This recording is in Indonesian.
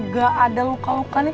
gak ada luka lukanya